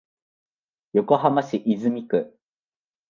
横浜市泉区